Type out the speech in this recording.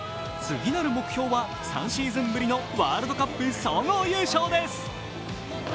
次なる目標は３シーズンぶりのワールドカップ総合優勝です。